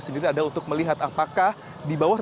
sendiri ada untuk melihat apakah di bawah